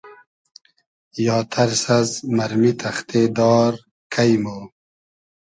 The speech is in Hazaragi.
یا تئرس از مئرمی تئختې دار کݷ مۉ